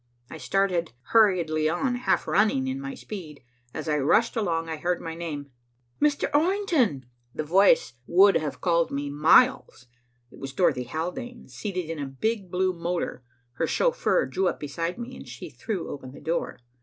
I started hurriedly on, half running in my speed. As I rushed along, I heard my name, "Mr. Orrington!" The voice would have called me miles. It was Dorothy Haldane, seated in a big blue motor. Her chauffeur drew up beside me, and she threw open the door.